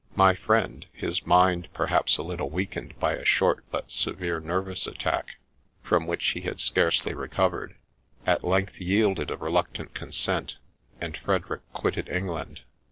My friend, his mind, perhaps,' a little weakened by a short but severe nervous attack from which he had scarcely recovered, at length yielded a reluctant consent, and Frederick quitted England.